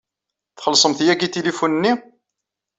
Txellṣemt yagi tinfulin-nni?